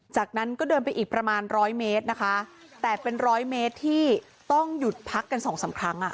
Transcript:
จากนั้นก็เดินไปอีกประมาณร้อยเมตรนะคะแต่เป็นร้อยเมตรที่ต้องหยุดพักกันสองสามครั้งอ่ะ